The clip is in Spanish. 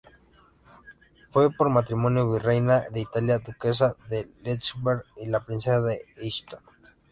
Fue por matrimonio Virreina de Italia, Duquesa de Leuchtenberg y Princesa de Eichstätt.